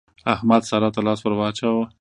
احمد سارا ته لاس ور واچاوو.